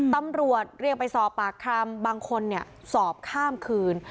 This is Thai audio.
ตำรวจเรียกไปสอบปากคำบางคนสอบข้ามคืน